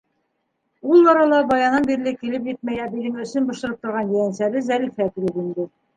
Ул арала баянан бирле килеп етмәй әбейҙең эсен бошороп торған ейәнсәре Зәлифә килеп инде.